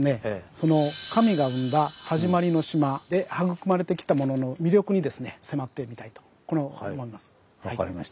その神が生んだ「はじまりの島」で育まれてきたものの魅力にですね迫ってみたいと思います。